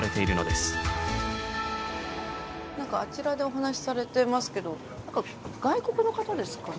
何かあちらでお話しされてますけど外国の方ですかね？